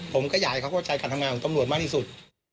ผมก็อยากให้เขาเข้าใจการทำงานของตำรวจมากที่สุด